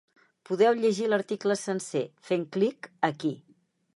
Podeu llegir l’article sencer, fent clic aquí.